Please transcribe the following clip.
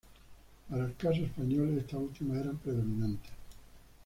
Para el caso español, estas últimas eran predominantes.